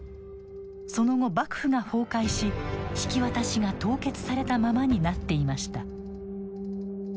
その後幕府が崩壊し引き渡しが凍結されたままになっていました。